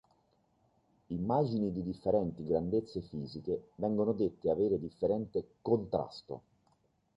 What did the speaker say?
Immagini di differenti grandezze fisiche vengono dette avere differente "contrasto".